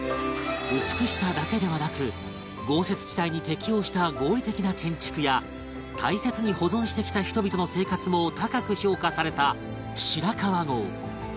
美しさだけではなく豪雪地帯に適応した合理的な建築や大切に保存してきた人々の生活も高く評価された白川郷